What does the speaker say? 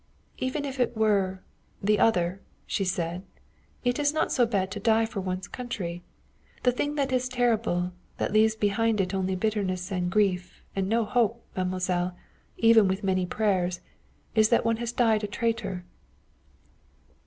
"Even if it were the other," she said, "it is not so bad to die for one's country. The thing that is terrible, that leaves behind it only bitterness and grief and no hope, mademoiselle, even with many prayers, is that one has died a traitor."